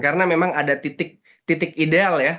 karena memang ada titik ideal ya